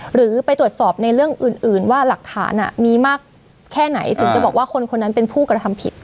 หรือไปตรวจสอบในเรื่องอื่นว่าหลักฐานมีมากแค่ไหนถึงจะบอกว่าคนคนนั้นเป็นผู้กระทำผิด